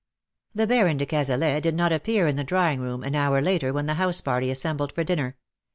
The Baron de Cazalet did not appear in the drawing room an hour later when the house party assembled for dinner.